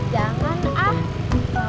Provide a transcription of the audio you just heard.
jangan ah sampai depan aja